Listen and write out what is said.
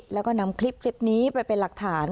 แล้วก็นำคลิปนี้ไปเป็นหลักฐาน